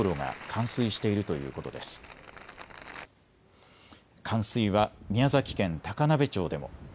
冠水は宮崎県高鍋町でも。